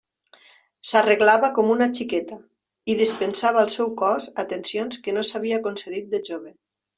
S'arreglava com una xiqueta, i dispensava al seu cos atencions que no s'havia concedit de jove.